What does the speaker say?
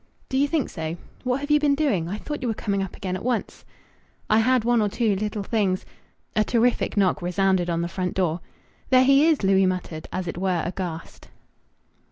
"Do you think so?... What have you been doing? I thought you were coming up again at once." "I had one or two little things " A terrific knock resounded on the front door. "There he is!" Louis muttered, as it were aghast.